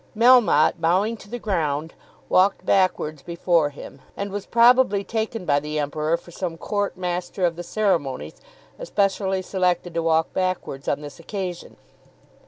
Melmotte, bowing to the ground, walked backwards before him, and was probably taken by the Emperor for some Court Master of the Ceremonies especially selected to walk backwards on this occasion.